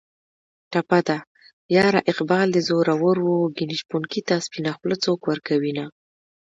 ټپه ده: یاره اقبال دې زورور و ګني شپونکي ته سپینه خوله څوک ورکوینه